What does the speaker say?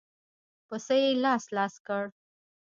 پسه يې لاس لاس کړ.